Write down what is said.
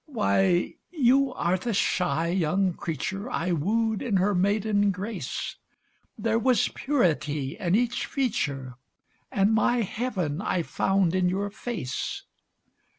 Why, you are the shy young creature I wooed in her maiden grace; There was purity in each feature, And my heaven I found in your face.